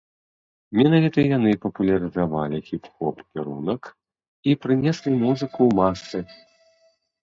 Менавіта яны папулярызавалі хіп-хоп кірунак і прынеслі музыку ў масы.